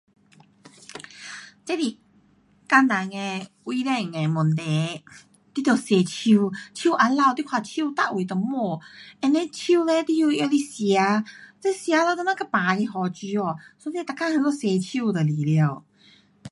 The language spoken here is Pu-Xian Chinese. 这是个人卫生的问题，你要洗手，手肮脏啊你看手大位都摸 and then 手呢你又用来吃呀，这又病了又如何